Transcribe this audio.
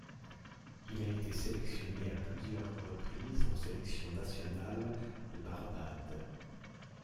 Il a été sélectionné à plusieurs reprises en sélection nationale de Barbade.